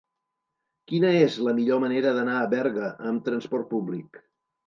Quina és la millor manera d'anar a Berga amb trasport públic?